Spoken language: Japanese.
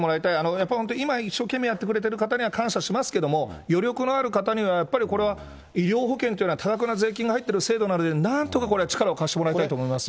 やっぱり本当、今一生懸命やってくれてる方には感謝しますけれども、余力のある方にはやっぱりこれは、医療保険というのは、多額な税金が入っている制度なので、なんとかこれ、力を貸してもらいたいと思いますよ。